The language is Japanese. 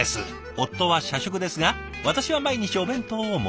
夫は社食ですが私は毎日お弁当を持っていきます。